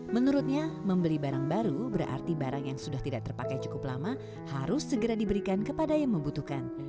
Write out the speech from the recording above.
menurutnya membeli barang baru berarti barang yang sudah tidak terpakai cukup lama harus segera diberikan kepada yang membutuhkan